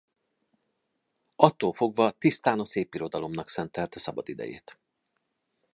Attól fogva tisztán a szépirodalomnak szentelte szabadidejét.